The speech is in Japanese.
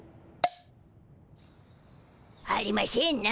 ありましぇんな。